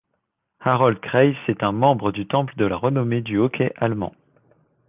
Harold Kreis est un membre du Temple de la renommée du hockey allemand.